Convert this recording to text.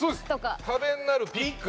壁になるピック。